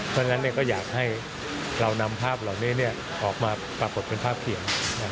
เพราะฉะนั้นก็อยากให้เรานำภาพเหล่านี้ออกมาปรากฏเป็นภาพเขียน